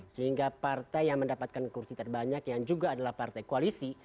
sehingga partai yang mendapatkan kursi terbanyak yang juga adalah partai koalisi